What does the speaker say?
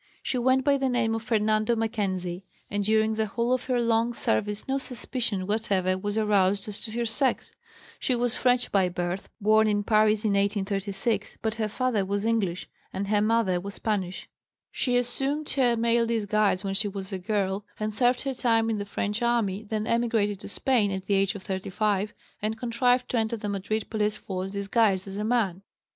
She went by the name of Fernando Mackenzie and during the whole of her long service no suspicion whatever was aroused as to her sex. She was French by birth, born in Paris in 1836, but her father was English and her mother Spanish. She assumed her male disguise when she was a girl and served her time in the French army, then emigrated to Spain, at the age of 35, and contrived to enter the Madrid police force disguised as a man.